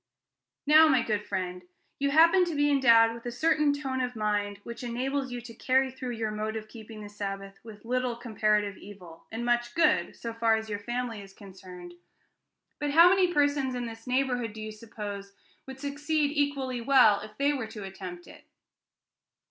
Now, my good friend, you happen to be endowed with a certain tone of mind which enables you to carry through your mode of keeping the Sabbath with little comparative evil, and much good, so far as your family is concerned; but how many persons in this neighborhood, do you suppose, would succeed equally well if they were to attempt it?